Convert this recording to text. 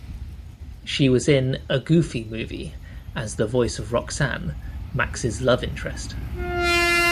She was in "A Goofy Movie" as the voice of Roxanne, Max's love interest.